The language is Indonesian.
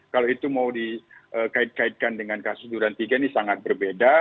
kalau itu mau dikait kaitkan dengan kasus durantiga ini sangat berbeda